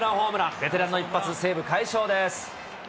ベテランの一発、西武、快勝です。